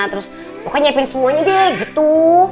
terus pokoknya nyiapin semuanya deh gitu